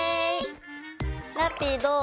ラッピィどう？